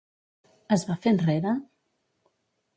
Es va fer enrere?